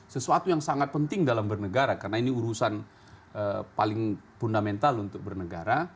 sesuatu yang sangat penting dalam bernegara karena ini urusan paling fundamental untuk bernegara